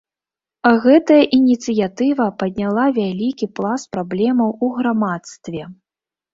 Гэтая ініцыятыва падняла вялікі пласт праблемаў у грамадстве.